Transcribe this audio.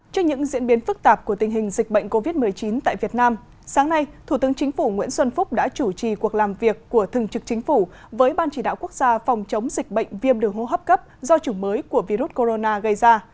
trên những diễn biến phức tạp của tình hình dịch bệnh covid một mươi chín tại việt nam sáng nay thủ tướng chính phủ nguyễn xuân phúc đã chủ trì cuộc làm việc của thường trực chính phủ với ban chỉ đạo quốc gia phòng chống dịch bệnh viêm đường hô hấp cấp do chủng mới của virus corona gây ra